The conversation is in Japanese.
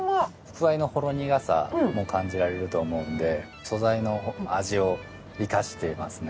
くわいのほろ苦さも感じられると思うんで素材の味を生かしてますね。